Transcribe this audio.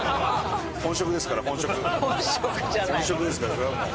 本職ですからそれはもう。